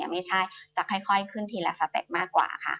ไม่ใช่จะค่อยขึ้นทีละสเต็ปมากกว่าค่ะ